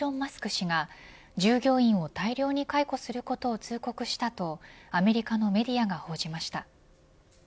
氏が従業員を大量に解雇することを通告したとアメリカのメディアが報じました。